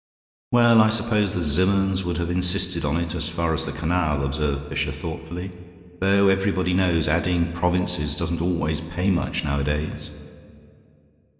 "Well, I suppose the Zimmernes would have insisted on it as far as the canal," observed Fisher, thoughtfully, "though everybody knows adding provinces doesn't always pay much nowadays."